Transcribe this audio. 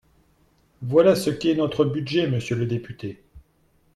Voilà ce qu’est notre budget, monsieur le député.